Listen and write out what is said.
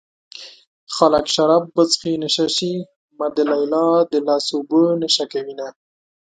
خلک شراب وڅښي نشه شي ما د ليلا د لاس اوبه نشه کوينه